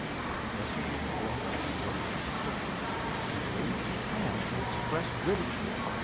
Professor Leblance shrugged his shoulders. He waved his hand to express ridicule.